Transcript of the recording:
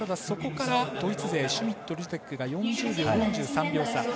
そこからドイツ勢シュミット、ルゼックが４０秒、４８秒差。